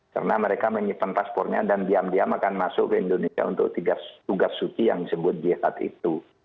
karena mereka menyimpan paspornya dan diam diam akan masuk ke indonesia untuk tugas suci yang disebut jihad itu